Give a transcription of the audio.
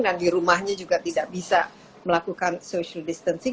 dan di rumahnya juga tidak bisa melakukan social distancing